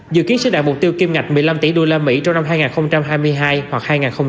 dự kiến sẽ đạt mục tiêu kim ngạch một mươi năm tỷ đô la mỹ trong năm hai nghìn hai mươi hai hoặc hai nghìn hai mươi ba